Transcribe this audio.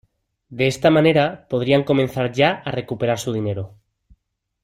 De esta manera, podrían comenzar ya a recuperar su dinero.